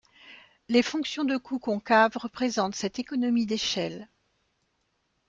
Les fonctions de coûts concaves représentent cette économie d'échelle.